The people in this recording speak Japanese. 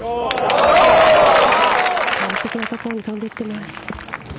完璧な所に飛んでいってます。